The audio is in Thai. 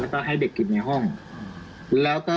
พี่สาวอายุ๗ขวบก็ดูแลน้องดีเหลือเกิน